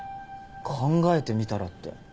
考えてみたらって。